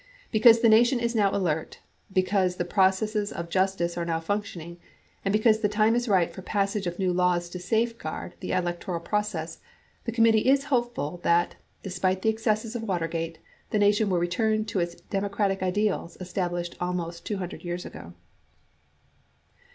Because the Nation is now r alert, because the processes of justice are now functioning and because the time is ripe for passage of new laws to safeguard the electoral process, the committee is hopeful that, despite the excesses of Watergate, the Nation will return to its democratic ideals estab lished almost 200 years ago.